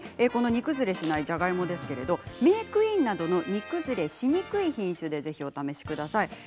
この煮崩れしないじゃがいもは、メークインなどの煮崩れしにくい品種でお試しください。